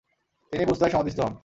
তিনি বুরসায় সমাধিস্থ হন।